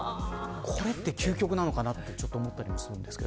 これって究極なのかなと思ったりするんですけど。